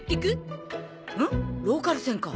ローカル線か。